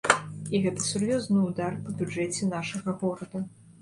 І гэта сур'ёзны ўдар па бюджэце нашага горада.